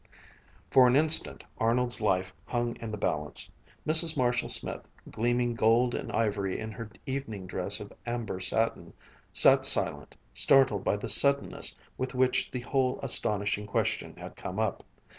For an instant Arnold's life hung in the balance. Mrs. Marshall Smith, gleaming gold and ivory in her evening dress of amber satin, sat silent, startled by the suddenness with which the whole astonishing question had come up.